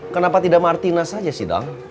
kenapa tidak martina saja sih dang